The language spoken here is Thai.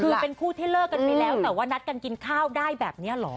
คือเป็นคู่ที่เลิกกันไปแล้วแต่ว่านัดกันกินข้าวได้แบบนี้เหรอ